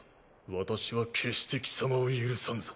私は決して貴様を許さんぞ。